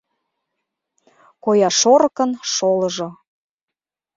Коя шорыкын шолыжо.